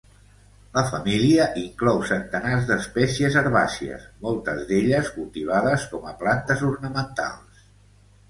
La família inclou centenars d'espècies herbàcies, moltes d'elles cultivades com a plantes ornamentals.